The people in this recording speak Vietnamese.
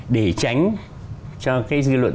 để tránh cho cái dư luận